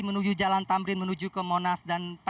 menuju jalan tamrin menuju ke monas